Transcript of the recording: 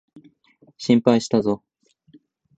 心配したぞ。